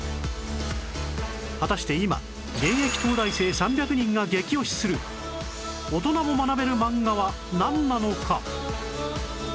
果たして今現役東大生３００人が激推しする大人も学べる漫画はなんなのか？